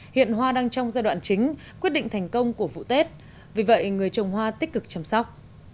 hiện hoa đang trong giai đoạn chính quyết định thành công của vụ tết vì vậy người trồng hoa tích cực chăm sóc